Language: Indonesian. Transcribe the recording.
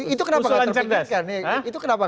itu kenapa nggak terpikirkan